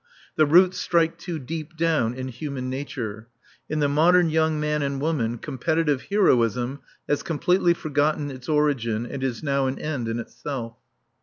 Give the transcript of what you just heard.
The roots strike too deep down in human nature. In the modern young man and woman competitive heroism has completely forgotten its origin and is now an end in itself.